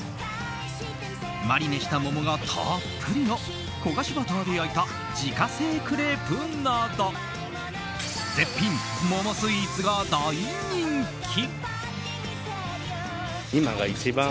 マリネした桃がたっぷりの焦がしバターで焼いた自家製クレープなど絶品桃スイーツが大人気。